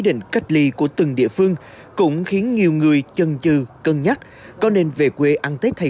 định cách ly của từng địa phương cũng khiến nhiều người chân trừ cân nhắc có nên về quê ăn tết hay